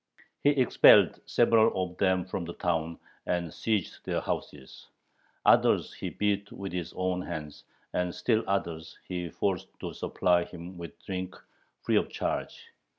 He expelled several of them from the town, and seized their houses. Others he beat with his own hands, and still others he forced to supply him with drink free of charge.